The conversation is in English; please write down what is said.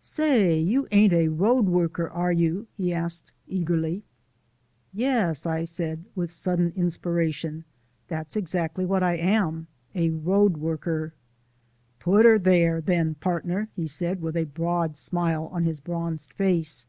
"Say, you ain't a road worker, are you?" he asked eagerly. "Yes," said I, with a sudden inspiration, "that's exactly what I am a road worker." "Put her there, then, partner," he said, with a broad smile on his bronzed face.